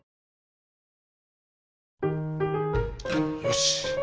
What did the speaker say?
よし。